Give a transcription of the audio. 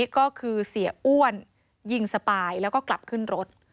ก็คือเสียอ้วนยิงสปายแล้วก็กลับขึ้นรถ